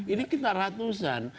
ini kita ratusan